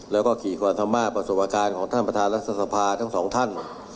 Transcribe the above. และกี่ความทรมานประสบการณ์ของท่านประธานรัฐศาสตร์ภาคทั้งสองท่าน